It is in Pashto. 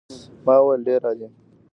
ما وویل ډېر عالي.